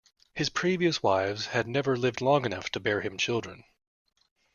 His previous wives had never lived long enough to bear him children.